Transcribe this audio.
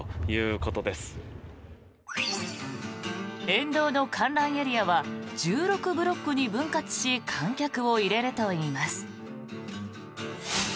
沿道の観覧エリアは１６ブロックに分割し観客を入れるといいます。